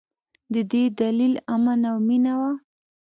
د دې دلیل امن او مینه وه.